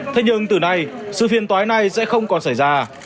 thế nhưng từ nay sự phiền tói này sẽ không còn xảy ra